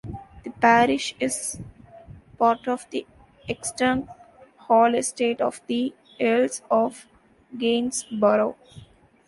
The parish is part of the Exton Hall estate of the Earls of Gainsborough.